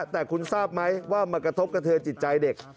แต่คุณทราบไหมว่ามันกระทบกระเทือนจิตใจเด็ก